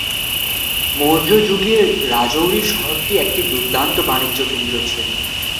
মৌর্য যুগে রাজৌরি শহরটি একটি দুর্দান্ত বাণিজ্য কেন্দ্র ছিল।